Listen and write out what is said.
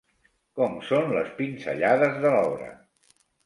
Com són les pinzellades de l'obra?